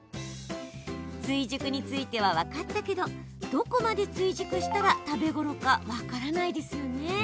追熟については分かったけどどこまで追熟したら食べ頃か分からないですよね。